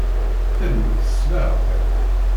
Ttxil-wet s leɛqel.